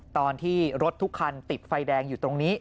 ตอนที่รถทุกคันติดไฟแดงอยู่ตรงนี้